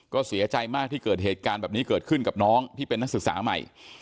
ก็เสียใจมากที่เกิดเหตุการณ์แบบนี้เกิดขึ้นกับน้องที่เป็นนักศึกษาใหม่